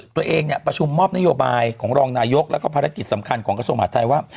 ตัวเองเนี่ยประชุมมอบนโยบายของรองนายกแล้วก็ภารกิจสำคัญของกระทรวงมหาดไทยว่า